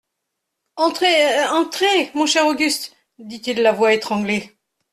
Entrez, entrez, mon cher Auguste, dit-il la voix étranglée.